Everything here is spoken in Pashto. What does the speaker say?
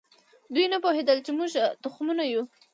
دوی نه پوهېدل چې موږ تخمونه یو.